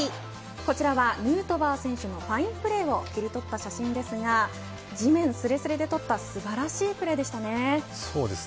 こちらはヌートバー選手のファインプレーを切り取った写真ですが地面すれすれで取った素晴らしいプレーでしたね。